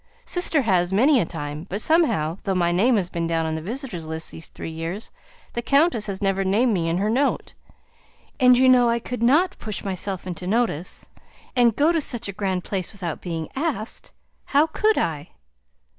Sister has many a time; but somehow, though my name has been down on the visitors' list these three years, the countess has never named me in her note; and you know I could not push myself into notice, and go to such a grand place without being asked; how could I?"